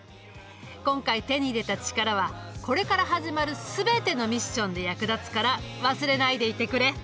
今回手に入れたチカラはこれから始まる全てのミッションで役立つから忘れないでいてくれ。